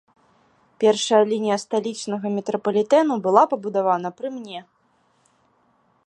Першая лінія сталічнага метрапалітэну была пабудавана пры мне.